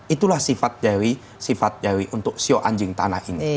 itulah sifat dari untuk siok anjing tanah ini